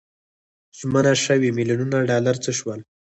ژمنه شوي میلیونونه ډالر څه شول.